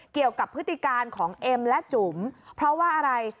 เกี่ยวกับพฤติการณ์ของเอมและจุ๋มเพราะว่าอะไร